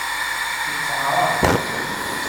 Itteɛṛaḍ.